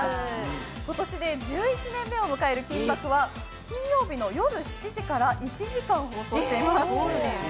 今年で１１年目を迎える「金バク！」は金曜日の夜７時から１時間放送しています。